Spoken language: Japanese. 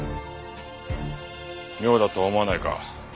妙だとは思わないか？